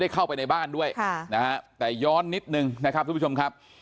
เข้าไปในบ้านด้วยแต่ย้อนนิดนึงนะครับทุกผู้ชมครับ